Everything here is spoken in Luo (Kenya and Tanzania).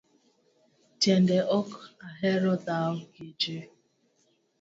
Tinde ok ahero dhao gi jii